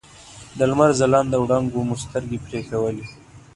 د لمر ځلانده وړانګو مو سترګې برېښولې.